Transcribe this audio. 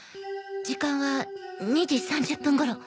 時間は２時３０分頃。